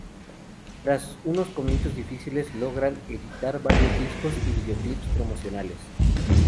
Tras unos comienzos difíciles, logran editar varios discos y videoclips promocionales.